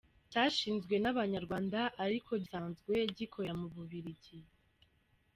cyashinzwe n’Abanyarwanda ariko gisanzwe gikorera mu Bubiligi.